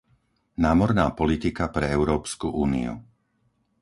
Námorná politika pre Európsku úniu